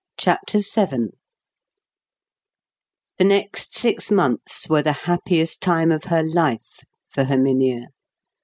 CHAPTER VII The next six months were the happiest time of her life, for Herminia.